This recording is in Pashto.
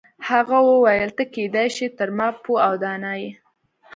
هغه وویل ته کیدای شي تر ما پوه او دانا یې.